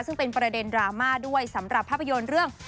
ซึ่งเป็นประเด็นดราม่าด้วยสำหรับภาพยนตร์เรื่อง